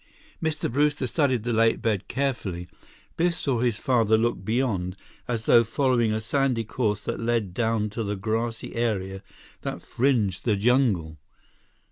Mr. Brewster studied the lake bed carefully. Biff saw his father look beyond, as though following a sandy course that led down to the grassy area that fringed the jungle.